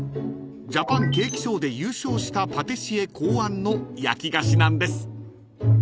［ジャパンケーキショーで優勝したパティシエ考案の焼き菓子なんです］